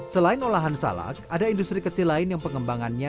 selain olahan salak ada industri kecil lain yang pengembangannya